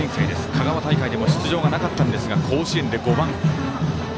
香川大会でも出場がなかったんですが甲子園で５番。